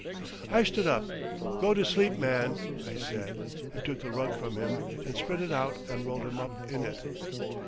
I stood up. "Go to sleep, man!" I said, and took the rug from him, and spread it out and rolled him up in it.